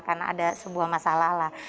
karena ada sebuah masalah lah